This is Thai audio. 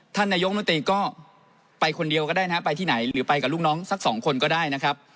ท่านนายกมนตรีก็ไปคนเดียวก็ได้นะครับไปที่ไหนหรือไปกับลูกน้องสักสองคนก็ได้นะครับ